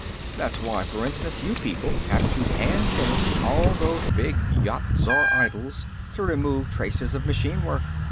That's why, for instance, you people have to hand finish all those big Yat Zar idols, to remove traces of machine work.